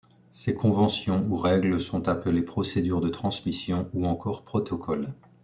Ces conventions ou règles sont appelées procédures de transmission, ou encore protocoles.